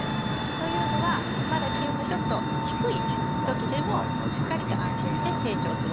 というのはまだ気温がちょっと低い時でもしっかりと安定して成長するものだからですね。